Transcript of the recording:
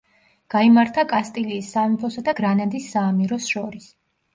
გაიმართა კასტილიის სამეფოსა და გრანადის საამიროს შორის.